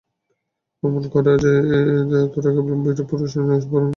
প্রমাণ করে যে, তোরা কেবল বীরপুরুষই নস, বরং তোরা খাসও রাজার মত।